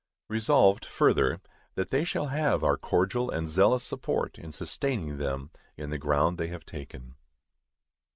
Resolved, further, That they shall have our cordial and zealous support in sustaining them in the ground they have taken.